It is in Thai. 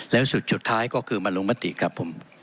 แล้วสุดท้ายก็คือมาลงมติครับผม